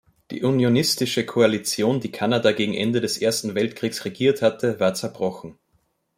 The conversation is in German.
Die unionistische Koalition, die Kanada gegen Ende des Ersten Weltkriegs regiert hatte, war zerbrochen.